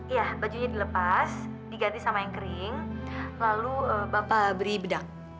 iya bajunya dilepas diganti sama yang kering lalu bapak beri bedak